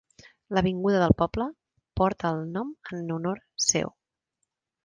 L'avinguda del poble, porta el nom en honor seu.